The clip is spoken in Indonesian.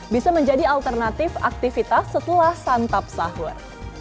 bisa menjadi alternatif aktivitas setelah santap sahur